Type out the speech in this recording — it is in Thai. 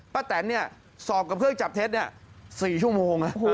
ป้าแตนสอบกับเครื่องจับเท็จ๔ชั่วโมง